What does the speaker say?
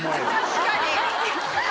確かに！